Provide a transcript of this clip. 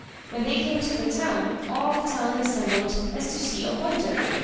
When they came to the town, all the town assembled as to see a wonder.